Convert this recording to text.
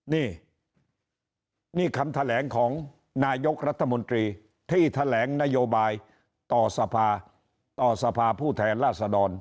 นี่คำแถลงของนายกรัฐมนตรีที่แถลงนโยบายต่อสภาพูดแทนล่าสะดอน